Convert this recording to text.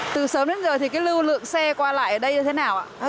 từ sớm đến giờ thì cái lưu lượng xe qua lại ở đây như thế nào ạ